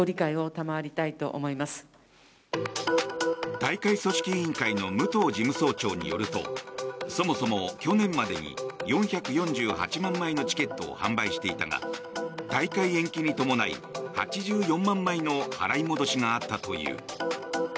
大会組織委員会の武藤事務総長によるとそもそも去年までに４４８万枚のチケットを販売していたが大会延期に伴い８４万枚の払い戻しがあったという。